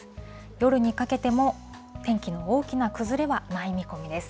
夜にかけても天気の大きな崩れはない見込みです。